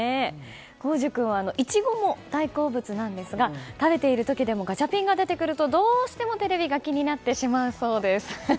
幸寿君はイチゴも大好物で食べている時でもガチャピンが出てくるとどうしてもテレビが気になってしまうそうです。